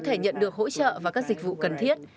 thể nhận được hỗ trợ và các dịch vụ cần thiết